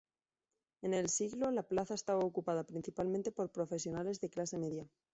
En el siglo la plaza estaba ocupada principalmente por profesionales de clase media.